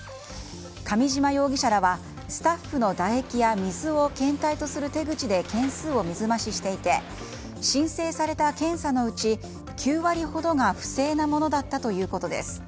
上嶋容疑者らはスタッフの唾液や水を検体とする手口で件数を水増ししていて申請された検査のうち９割ほどが不正なものだったということです。